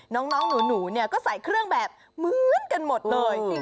น้องหนูเนี่ยก็ใส่เครื่องแบบเหมือนกันหมดเลย